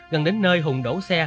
gần đến nơi hùng đổ xe